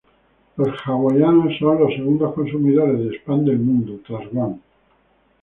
Los hawaianos son los segundos consumidores de "spam" del mundo, tras Guam.